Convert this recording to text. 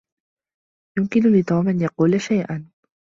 يمكن لتوم أن يقول شيئا.